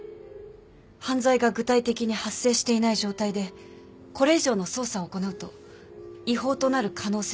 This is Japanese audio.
犯罪が具体的に発生していない状態でこれ以上の捜査を行うと違法となる可能性もあります。